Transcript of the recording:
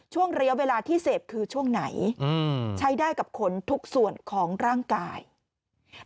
ช่วงระยะเวลาที่เสพคือช่วงไหนใช้ได้กับขนทุกส่วนของร่างกาย